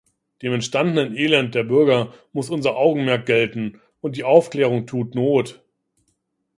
Dem entstandenen Elend der Bürger muss unser Augenmerk gelten, und die Aufklärung tut not.